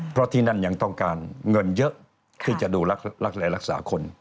เพราะที่นั่นยังต้องการเงินเยอะที่จะดูรักษาคน